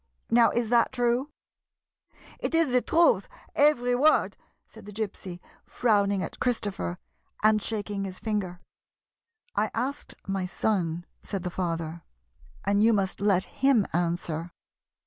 Now, is that true ?"" It is the truth, every word," said the Gypsy, frowning at Christopher, and shaking his finger. " I asked my son," said the father, " and you must let him answer."